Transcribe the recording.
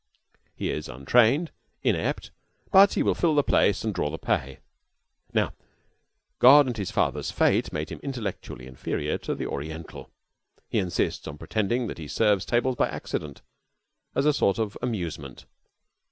He is untrained, inept, but he will fill the place and draw the pay. Now, God and his father's fate made him intellectually inferior to the Oriental. He insists on pretending that he serves tables by accident as a sort of amusement.